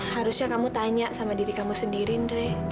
harusnya kamu tanya sama diri kamu sendiri indra